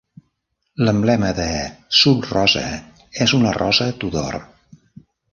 L'emblema de Sub Rosa és una rosa Tudor.